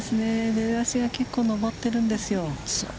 出だしが結構上っているんですよ。